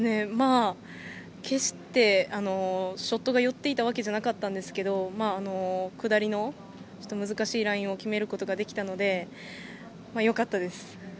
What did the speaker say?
決してショットが寄っていたわけじゃなかったんですけど下りのちょっと難しいラインを決めることができたのでよかったです。